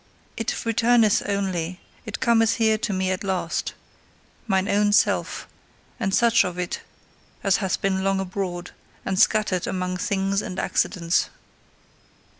It returneth only, it cometh home to me at last mine own Self, and such of it as hath been long abroad, and scattered among things and accidents.